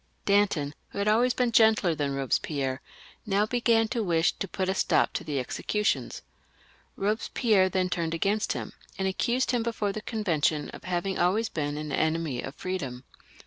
Danton, who had always been gentler than Eobespierre, now began to wish to put a stop to the executions. Eobespierre then turned against him, and accused him before the Convention of having always been an enemy of freedom.